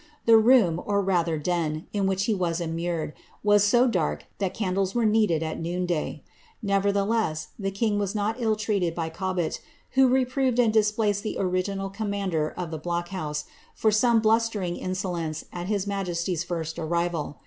The room, or rather den, in which he was immured, was so dark that candles were needed at noon day. Nevertheless, the king was not ill treated by Cob bf (U who reproved and displaced the original commander of the block house (or some blustering insolence at his majesty's first arrival.